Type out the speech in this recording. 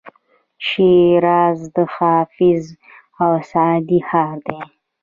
شیراز د حافظ او سعدي ښار دی.